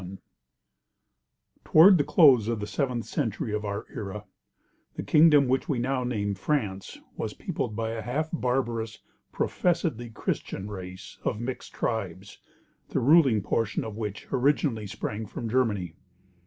[TN]] Toward the close of the seventh century of our era, the kingdom which we now name France was peopled by a half barbarous, professedly Christian race, of mixed tribes, the ruling portion of which originally sprang from Germany.